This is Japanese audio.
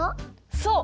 そう！